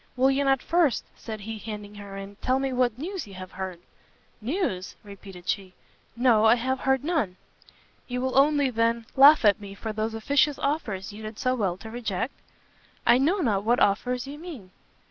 "Will you not first," said he, handing her in, "tell me what news you have heard?" "News?" repeated she. "No, I have heard none!" "You will only, then, laugh at me for those officious offers you did so well to reject?" "I know not what offers you mean!"